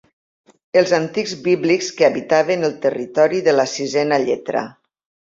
Els antics bíblics que habitaven el territori de la sisena lletra.